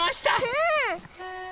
うん！